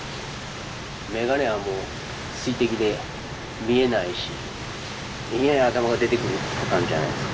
眼鏡はもう水滴で見えないしいきなり頭が出てくるって感じじゃないですか。